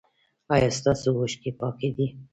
ایا ستاسو اوښکې پاکې دي؟